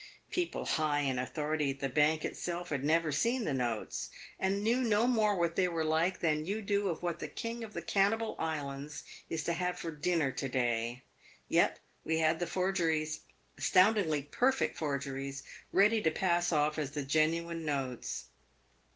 People high in authority at the Bank itself had never seen the notes, and knew no more what they were like than you do of what the King of the Cannibal Islands is to have for dinner to day. Yet we had the forgeries — astoundingly perfect forgeries — ready to pass off as the genuine notes.